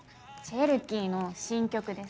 チェルキーの新曲です。